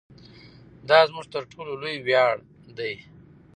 دا زموږ تر ټولو لوی ویاړ دی.